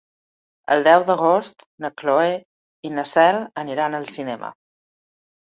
El deu d'agost na Cloè i na Cel aniran al cinema.